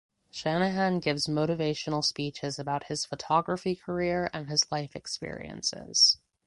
Shanahan gives motivational speeches about his photography career and his life experiences.